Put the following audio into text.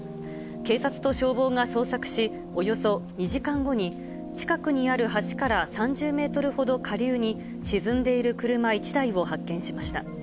警察と消防が捜索し、およそ２時間後に、近くにある橋から３０メートルほど下流に、沈んでいる車１台を発見しました。